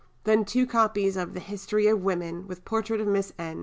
Then 2 copies of the History of Women, with portrait of Miss N.